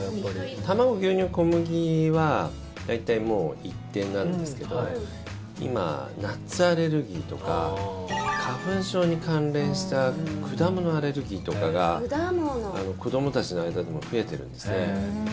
卵、牛乳、小麦は大体、一定なんですけど今、ナッツアレルギーとか花粉症に関連した果物アレルギーとかが子どもたちの間でも増えてるんですね。